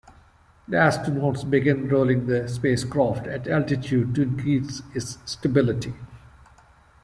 The astronauts began rolling the spacecraft at altitude to increase its stability.